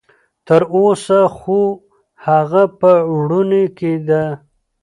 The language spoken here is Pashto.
تر اوسه خو هغه په وړوني کې ده.